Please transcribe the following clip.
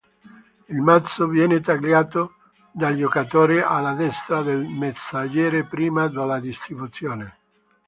Il mazzo viene tagliato dal giocatore alla destra del mazziere prima della distribuzione.